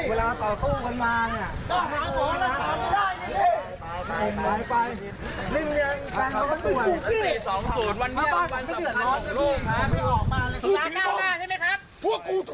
เวลาต่อเข้ากันมาเนี่ยต้องหาหมอแล้วถามได้ยินดี